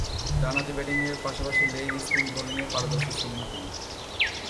ডানহাতে ব্যাটিংয়ের পাশাপাশি লেগ স্পিন বোলিংয়ে পারদর্শী তিনি।